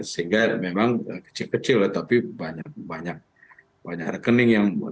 sehingga memang kecil kecil ya tapi banyak rekening yang